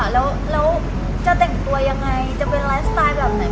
แล้วจะแต่งตัวยังไงจะเป็นไลฟ์สไตล์แบบไหน